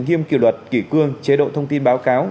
nghiêm kỷ luật kỷ cương chế độ thông tin báo cáo